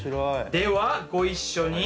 ではご一緒に。